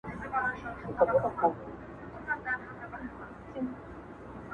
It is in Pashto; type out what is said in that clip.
هغه ځان بدل کړی دی ډېر,